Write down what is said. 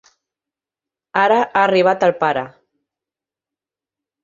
Ara ha arribat el pare.